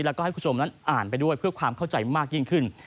แล้วก็ให้คุณผู้ชมนั้นอ่านไปด้วยเพื่อความเข้าใจมากยิ่งขึ้น